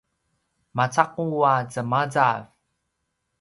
macaqu a zemazav